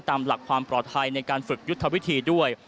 ตามหลักความปลอดภัยในการฝึกยุทธวิธีด้วย